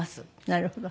なるほど。